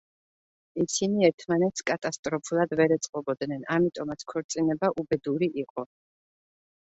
ისინი ერთმანეთს კატასტროფულად ვერ ეწყობოდნენ, ამიტომაც ქორწინება უბედური იყო.